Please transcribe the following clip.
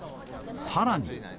さらに。